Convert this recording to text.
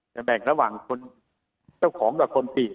จะแบ่งระหว่างคนเจ้าของและคนกรีด